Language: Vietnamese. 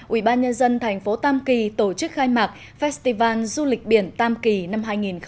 ubnd tp tam kỳ tổ chức khai mạc festival du lịch biển tam kỳ năm hai nghìn một mươi chín